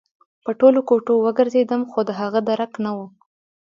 په ټولو کوټو وګرځېدم خو د هغه درک نه و